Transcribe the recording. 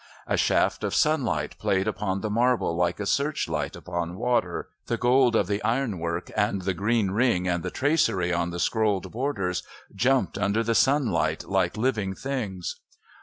A shaft of sunlight played upon the marble like a searchlight upon water; the gold of the ironwork and the green ring and the tracery on the scrolled borders jumped under the sunlight like living things.